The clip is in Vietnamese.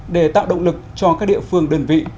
để tạo động lực cho các địa phương đơn vị